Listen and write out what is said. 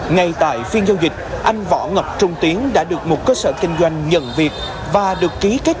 ngay tại phiên giao dịch anh võ ngọc trung tiến đã được một cơ sở kinh doanh nhận việc và được ký kết